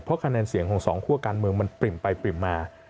เพราะคะแนนเสียงของสองคั่วการเมืองมันปริ่มไปปริ่มมา